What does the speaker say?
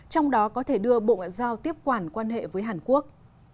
trong đó có thể đưa bộ ngoại giao tiếp quản quan hệ với hàn quốc